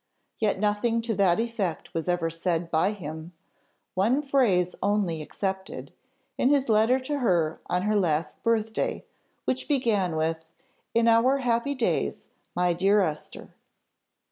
Yet nothing to that effect was ever said by him; one phrase only excepted, in his letter to her on her last birth day, which began with, "In our happy days, my dear Esther."